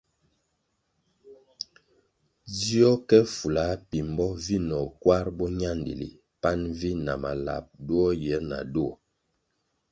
Dzió ke fula pimbo vinoh kwar boñandili pan vi na malap duo yir na duo.